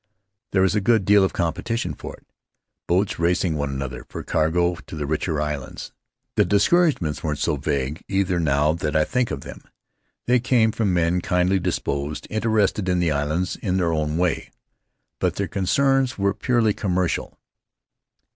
There is a good deal of competition for it, boats racing one another for cargo to the richer islands. The discouragements weren't so vague, either, now that I think of them. They came from men kindly disposed, interested in the islands in their own way. But their concerns were purely commercial.